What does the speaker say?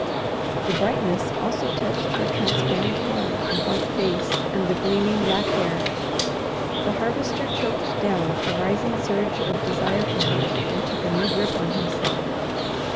The brightness also touched her transparent hand and white face and the gleaming black hair. The Harvester choked down a rising surge of desire for her, and took a new grip on himself.